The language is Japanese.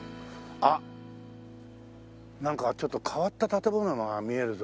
あっなんかちょっと変わった建物が見えるぞ。